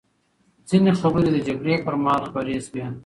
ځینې خبرې د جګړې پر مهال خپرې شوې.